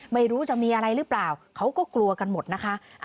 ไม่รู้จะมีอะไรหรือเปล่าเขาก็กลัวกันหมดนะคะ